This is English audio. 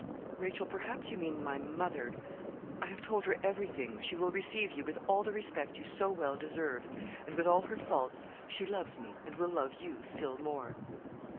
'Rachel, perhaps you mean my mother I have told her everything she will receive you with all the respect you so well deserve; and with all her faults, she loves me, and will love you still more.'